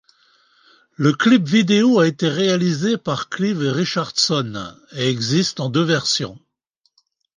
Le clip vidéo a été réalisé par Clive Richardson et existe en deux versions.